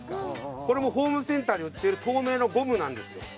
これもホームセンターで売ってる透明のゴムなんですよ。